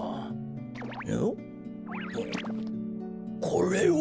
これは。